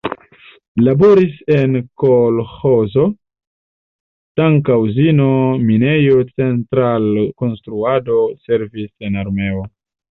Laboris en kolĥozo, tanka uzino, minejo, central-konstruado, servis en armeo.